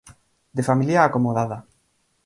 De familia acomodada.